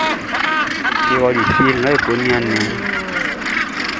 Be ɔli fie lɔ be ko niannin nnɛn mun.